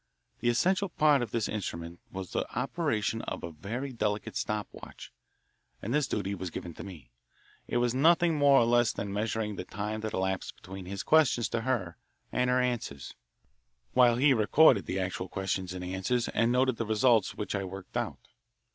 The essential part of this instrument was the operation of a very delicate stop watch, and this duty was given to me. It was nothing more nor less than measuring the time that elapsed between his questions to her and her answers, while he recorded the actual questions and answers and noted the results which I worked out.